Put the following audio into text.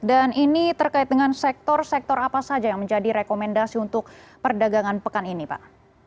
dan ini terkait dengan sektor sektor apa saja yang menjadi rekomendasi untuk perdagangan pekan ini pak